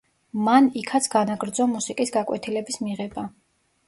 მან იქაც განაგრძო მუსიკის გაკვეთილების მიღება.